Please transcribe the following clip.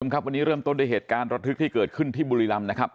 ครับวันนี้เริ่มต้นด้วยเหตุการณ์ระทึกที่เกิดขึ้นที่บุรีรำนะครับ